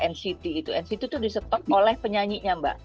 nct itu di stop oleh penyanyinya mbak